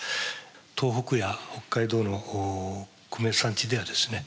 東北や北海道のコメ産地ではですね